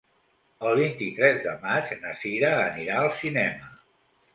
El vint-i-tres de maig na Sira anirà al cinema.